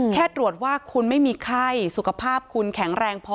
แค่ตรวจว่าคุณไม่มีไข้สุขภาพคุณแข็งแรงพอ